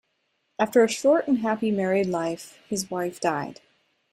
After a short and happy married life, his wife died.